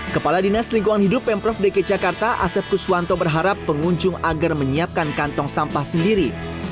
kepala dinas lingkungan hidup pemprov dki jakarta asep kuswanto berharap pengunjung agar menyiapkan kantong sampah sendiri